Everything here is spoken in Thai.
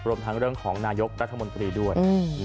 รวมทั้งเรื่องของนายกรัฐมนตรีด้วย